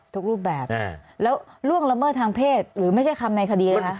ทุกรูปแบบแล้วล่วงละเมิดทางเพศหรือไม่ใช่คำในคดีเลยนะ